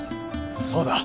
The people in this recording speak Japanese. そうだ。